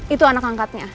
itu anak angkatnya